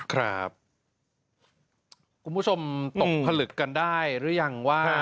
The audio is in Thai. คุณผู้ชมตกผลึกกันได้หรือยังว่า